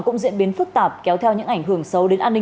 cũng diễn biến phức tạp kéo theo những ảnh hưởng xấu